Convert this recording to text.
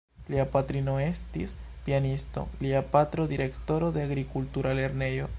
Lia patrino estis pianisto, lia patro direktoro de agrikultura lernejo.